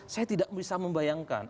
saya tidak bisa membayangkan